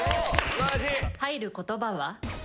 入る言葉は？